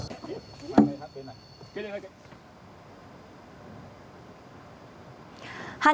hạt kiểm lâm vườn quốc gia tp phú quốc